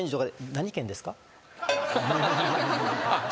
「何県ですか？」